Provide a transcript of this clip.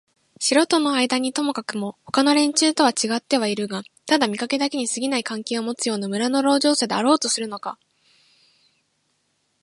城とのあいだにともかくもほかの連中とはちがってはいるがただ見かけだけにすぎない関係をもつような村の労働者であろうとするのか、